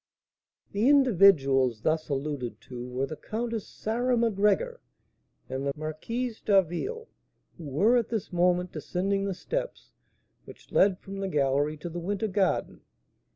The individuals thus alluded to were the Countess Sarah Macgregor and the Marquise d'Harville, who were at this moment descending the steps which led from the gallery to the winter garden.